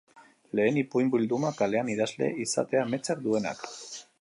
Lehen ipuin bilduma kalean idazle izatea amets duenak.